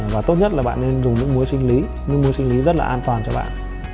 và tốt nhất là bạn nên dùng nước muối sinh lý nước muối sinh lý rất là an toàn cho bạn